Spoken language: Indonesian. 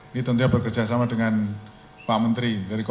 ini tentunya bekerja sama dengan pak menteri dari kominfo